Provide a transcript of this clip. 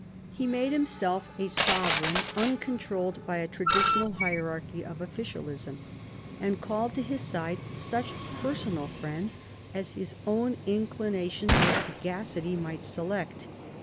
He made himself a sove reign uncontrolled by a traditional hierarchy of officialism, and called to his side such personal friends as his own inclination or sagacity might select.